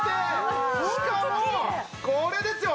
しかもこれですよ！